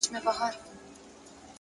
د پوهې لټون ذهن ژوندی ساتي.!